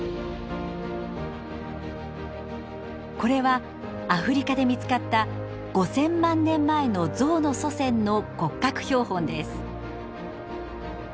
これはアフリカで見つかった５，０００万年前のゾウの祖先の骨格標本です。